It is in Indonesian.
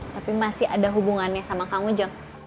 tapi masih ada hubungannya sama kang ujang